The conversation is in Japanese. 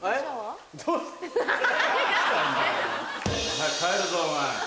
早く帰るぞお前。